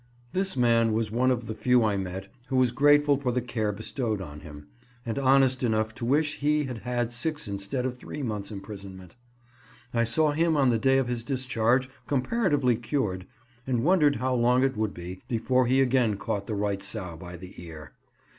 This man was one of the few I met who was grateful for the care bestowed on him, and honest enough to wish he had had six instead of three months' imprisonment. I saw him on the day of his discharge, comparatively cured, and wondered how long it would be before he again caught the right sow by the ear.